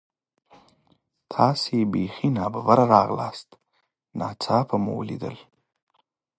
تاسې بیخي نا ببره راغلاست، ناڅاپه مو لیدل.